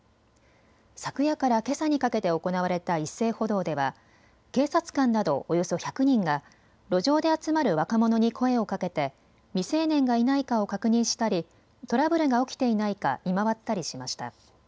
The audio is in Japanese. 昨夜からけさにかけて行われた一斉補導では警察官などおよそ１００人が路上で集まる若者に声をかけて未成年がいないかを確認したりトラブルが起きていないか見回ったりしました。